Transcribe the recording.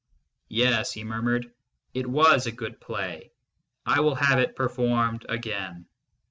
Yes, he murmured, it was a good play ; I will have it performed again.